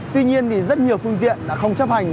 tuy nhiên thì rất nhiều phương tiện đã không chấp hành